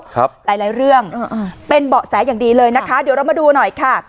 หลายหลายเรื่องอ่าเป็นเบาะแสอย่างดีเลยนะคะเดี๋ยวเรามาดูหน่อยค่ะ